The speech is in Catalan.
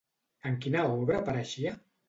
En quina obra apareixia?